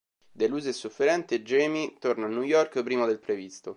Delusa e sofferente, Jamie torna a New York prima del previsto.